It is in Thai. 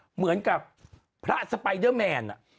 เหมือนกับพระสไปเดอร์แมน